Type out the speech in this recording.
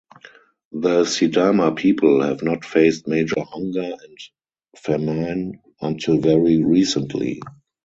The Sidama people have not faced major hunger and famine until very recently.